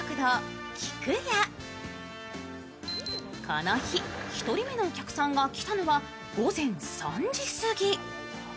この日、１人目のお客さんが来たのが午前３時すぎ。